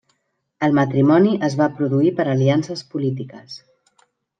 El matrimoni es va produir per aliances polítiques.